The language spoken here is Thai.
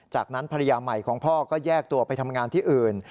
จากนั้นภรรยาใหม่ของพ่อก็แยกตัวไปทำงานที่อื่น